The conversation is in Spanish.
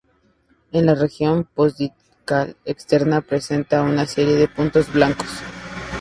En la región postdiscal externa, presenta una serie de puntos blancos.